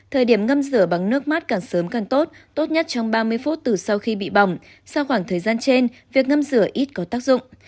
thời điểm ngâm rửa bằng nước mắt càng sớm càng tốt tốt nhất trong ba mươi phút từ sau khi bị bỏng sau khoảng thời gian trên việc ngâm rửa ít có tác dụng